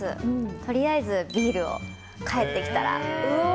とりあえずビールを、帰ってきたら。